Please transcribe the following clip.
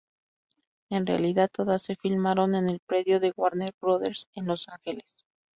En realidad, todas se filmaron en el predio de Warner Brothers en Los Ángeles.